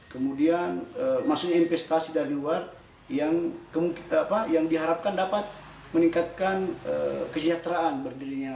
kemudian maksudnya investasi dari luar yang diharapkan dapat meningkatkan kesejahteraan berdirinya